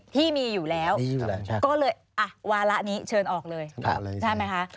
ที่มีอยู่แล้วก็เลยวาระนี้เชิญออกเลยใช่ไหมคะ